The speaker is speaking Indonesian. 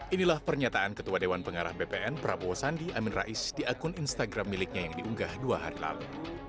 inilah pernyataan ketua dewan pengarah bpn prabowo sandi amin rais di akun instagram miliknya yang diunggah dua hari lalu